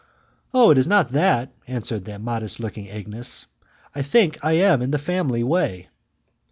"Oh! it is not that," answered the modest looking Agnes, "I think I am in the family way."